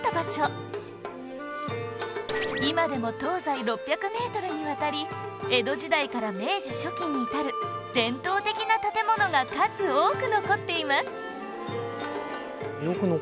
今でも東西６００メートルにわたり江戸時代から明治初期に至る伝統的な建物が数多く残っています